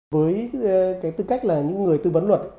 với cái tư cách là những người tư vấn luật